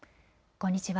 こんにちは。